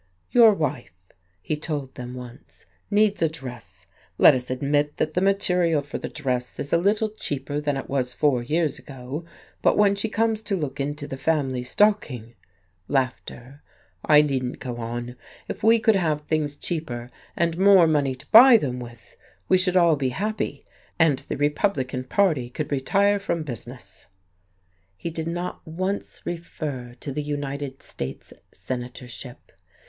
"Your wife," he told them once, "needs a dress. Let us admit that the material for the dress is a little cheaper than it was four years ago, but when she comes to look into the family stocking " "I needn't go on. If we could have things cheaper, and more money to buy them with, we should all be happy, and the Republican party could retire from business." He did not once refer to the United States Senatorship.